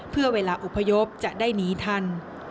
เพื่อเวลาอพยพจะได้หนีทัน